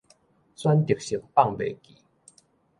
選擇性放袂記